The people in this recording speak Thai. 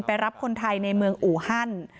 รับคนไทยในเมืองอูฮัน